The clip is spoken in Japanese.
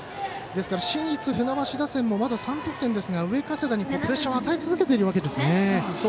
市立船橋打線もまだ３点ですが上加世田に、プレッシャーを与え続けているわけですね。